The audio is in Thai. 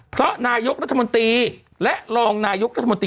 เพราะนายกรัฐมนตรีและรองนายกรัฐมนตรี